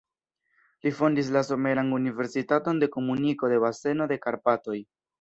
Li fondis la Someran Universitaton de Komuniko de Baseno de Karpatoj.